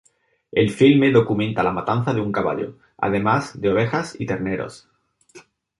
El filme documenta la matanza de un caballo, además de ovejas y terneros.